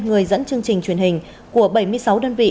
người dẫn chương trình truyền hình của bảy mươi sáu đơn vị